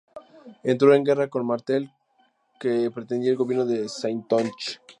Entró en guerra con Martel, que pretendía el gobierno de la Saintonge.